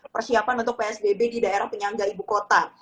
persiapan untuk psbb di daerah penyangga ibu kota